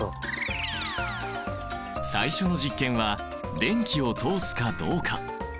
最初の実験は電気を通すかどうか。